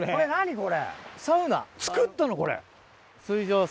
これ。